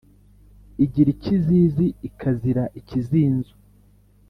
igira ikizizi ikazira ikizinzo